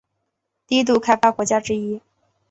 低度开发国家之一。